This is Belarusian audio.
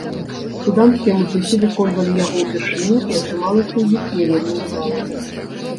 Суданскія музыкі выконвалі яго ўпершыню і атрымалася ў іх не вельмі ўдала.